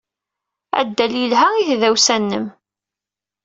Addal yelha i tdawsa-nnem.